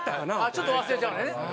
ちょっと忘れちゃうのね。